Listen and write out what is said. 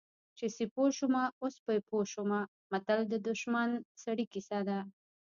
چې سیپو شومه اوس په پوه شومه متل د شتمن سړي کیسه ده